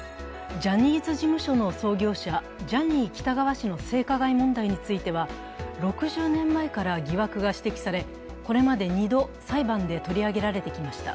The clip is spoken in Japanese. ジャニーズ事務所の創業者、ジャニー喜多川氏の性加害問題については、６０年前から疑惑が指摘され、これまで２度、裁判で取り上げられてきました。